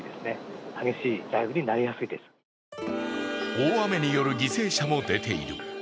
大雨による犠牲者も出ている。